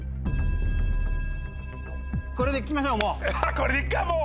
これでいくかもう！